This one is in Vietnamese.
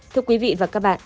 thưa quý vị và các bạn